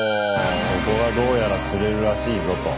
そこがどうやら釣れるらしいぞと。